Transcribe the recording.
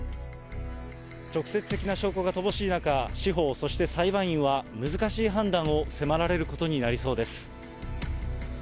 直接的な証拠が乏しい中、司法、そして裁判員は、難しい判断を迫られることになりそうです。